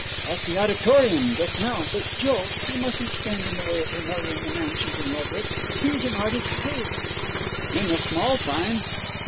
'At the Auditorium just now. But, Joe, you mustn't stand in the way of her marrying the man she's in love with. He's an artist, too.' 'In the small time.'